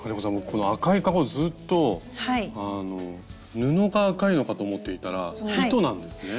この赤いかごずっと布が赤いのかと思っていたら糸なんですね。